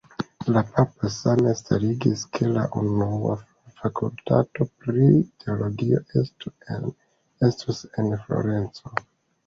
La papo same starigis ke la unua Fakultato pri Teologio estus en Florenco.